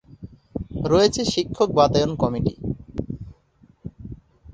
রয়েছে শিক্ষক বাতায়ন কমিটি।